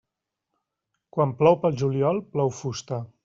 Quan plou pel juliol, plou fusta.